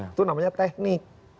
itu namanya teknik